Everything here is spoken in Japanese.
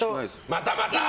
またまた！